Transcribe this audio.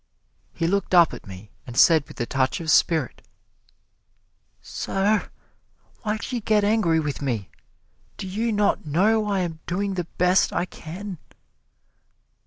He looked up at me and said with a touch of spirit: 'Sir, why do you get angry with me? Do you not know I am doing the best I can?'"